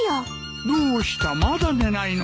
どうしたまだ寝ないのか。